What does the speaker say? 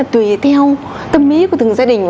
tùy theo tâm ý của từng gia đình